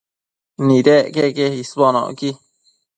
Nidec queque isbonocqui